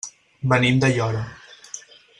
Venim d'Aiora.